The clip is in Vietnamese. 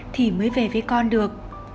thì mới về với con được